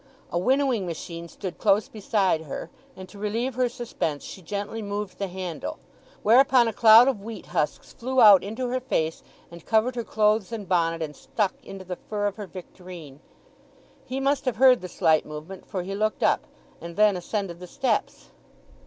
A winnowing machine stood close beside her, and to relieve her suspense she gently moved the handle; whereupon a cloud of wheat husks flew out into her face, and covered her clothes and bonnet, and stuck into the fur of her victorine. He must have heard the slight movement for he looked up, and then ascended the steps.